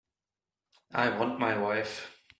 I want my wife.